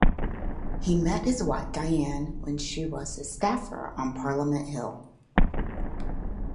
He met his wife, Diane, when she was a staffer on Parliament Hill.